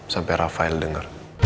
sampai rafael dengar